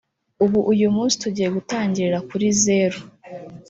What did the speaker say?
“ Ubu uyu munsi tugiye gutangirira kuri zeru